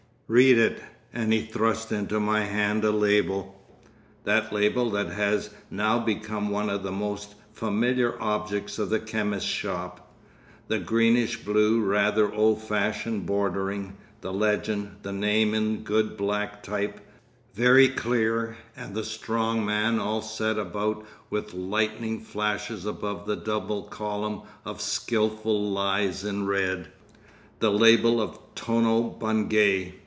"Read it," and he thrust into my hand a label—that label that has now become one of the most familiar objects of the chemist's shop, the greenish blue rather old fashioned bordering, the legend, the name in good black type, very clear, and the strong man all set about with lightning flashes above the double column of skilful lies in red—the label of Tono Bungay.